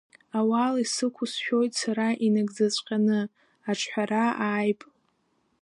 Ауал исықәу сшәоит сара инагӡаҵәҟьаны, аҿҳәара ааип!